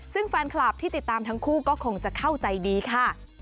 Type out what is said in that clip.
ซึ่งแฟนคลับที่ติดตามทั้งคู่ก็คงจะเข้าใจดีค่ะ